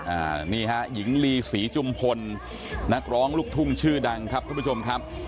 อ่านี่ฮะหญิงลีศรีจุมพลนักร้องลูกทุ่งชื่อดังครับทุกผู้ชมครับ